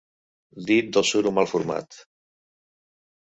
Dit del suro mal format.